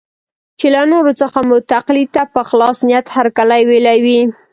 چې له نورو څخه مو تقلید ته په خلاص نیت هرکلی ویلی وي.